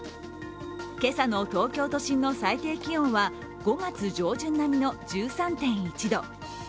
今朝の東京都心の最低気温は５月上旬並みの１３．１度。